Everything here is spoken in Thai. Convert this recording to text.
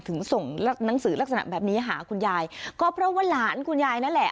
ถึงส่งหนังสือลักษณะแบบนี้หาคุณยายก็เพราะว่าหลานคุณยายนั่นแหละ